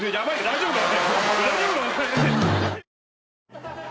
大丈夫か？